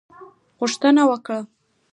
غوښتنه وکړه.